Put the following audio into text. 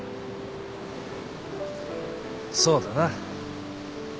そうだな。